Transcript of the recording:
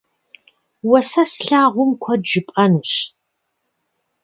Уэ сэ слъагъум куэд жыпӏэнущ.